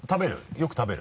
よく食べる？